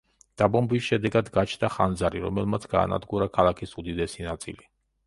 დაბომბვის შედეგად გაჩნდა ხანძარი, რომელმაც გაანადგურა ქალაქის უდიდესი ნაწილი.